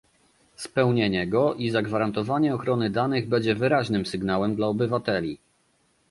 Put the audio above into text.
Spełnienie go i zagwarantowanie ochrony danych będzie wyraźnym sygnałem dla obywateli